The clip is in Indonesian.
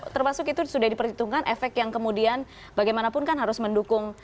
termasuk itu sudah diperhitungkan efek yang kemudian bagaimanapun kan harus mendukung